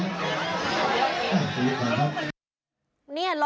วันนี้แหละครับ